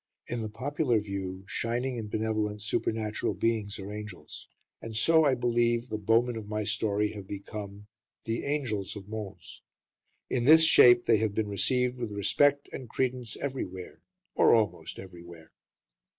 In the popular view shining and benevolent supernatural beings are angels, and so, I believe, the Bowmen of my story have become "the Angels of Mons." In this shape they have been received with respect and credence everywhere, or almost everywhere.